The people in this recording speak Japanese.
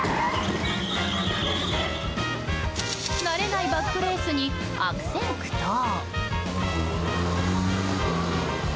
慣れないバックレースに悪戦苦闘。